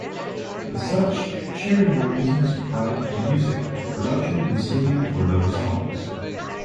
As such, Sharon Robinson supplied the music, production, and singing for those songs.